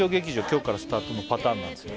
今日からスタートのパターンなんですよ